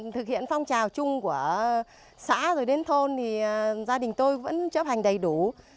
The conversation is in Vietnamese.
thực hiện phong trào chung của xã rồi đến thôn thì gia đình tôi vẫn chấp hành đầy đủ